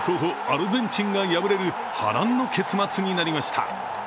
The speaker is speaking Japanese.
アルゼンチンが敗れる波乱の結末になりました。